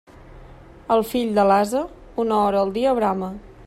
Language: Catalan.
El fill de l'ase, una hora al dia brama.